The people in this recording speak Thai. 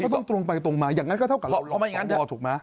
ก็ตรงไปตรงมาอย่างนั้นก็เท่ากับเราหลอกสอวรถูกไหม